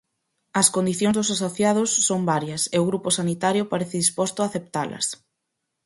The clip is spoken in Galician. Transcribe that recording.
As condicións dos asociados son varias e o grupo sanitario parece disposto a aceptalas.